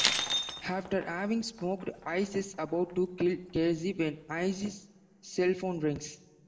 After having smoked, Ice is about to kill Casey when Ice's cell phone rings.